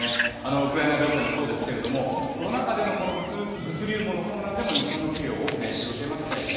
ウクライナ情勢もそうですけれども、コロナ禍での物流網の混乱でも日本の企業、大きな影響を受けましたよね。